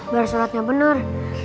baru suratnya bener